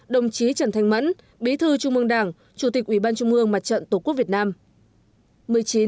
một mươi tám đồng chí trần thanh mẫn bí thư trung mương đảng chủ tịch ủy ban trung mương mặt trận tổ quốc việt nam